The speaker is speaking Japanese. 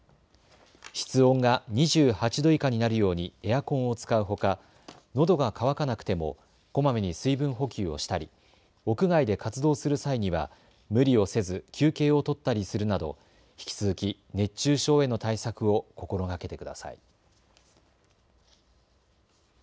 室温が２８度以下になるようにエアコンを使うほか、のどが渇かなくてもこまめに水分補給をしたり屋外で活動する際には無理をせず休憩を取ったりするなど引き続き熱中症への対策を心がけてください。